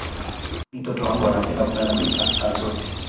Mtoto wangu anapenda kulalamika saa zote